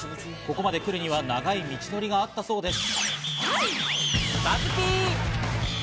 ここまで来るには長い道のりがあったそうです。